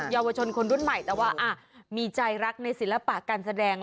เยาวชนคนรุ่นใหม่แต่ว่ามีใจรักในศิลปะการแสดง